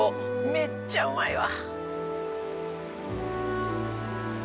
めっちゃうまいわ。